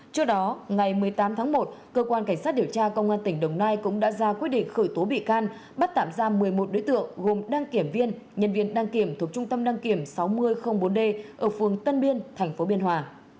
trước đó ngày một mươi tám tháng một cơ quan cảnh sát điều tra công an tỉnh đồng nai cũng đã ra quyết định khởi tố bị can bắt tạm giam một mươi một đối tượng gồm đăng kiểm viên nhân viên đăng kiểm thuộc trung tâm đăng kiểm sáu nghìn bốn d ở phường tân biên tp biên hòa